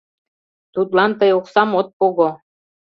Тудлан тый оксам от пого.